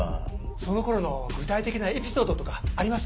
その頃の具体的なエピソードとかあります？